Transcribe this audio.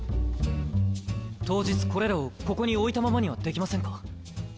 当日これらをここに置いたままにはできませんか？